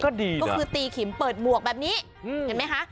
ก็ดีก็คือตีขิมเปิดหมวกแบบนี้เห็นไหมคะ